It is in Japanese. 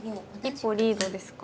一歩リードですか？